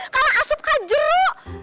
kalau asup kak jeruk